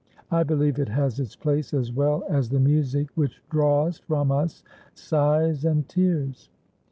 I believe it has its place as well as the music which draws from us sighs and tears.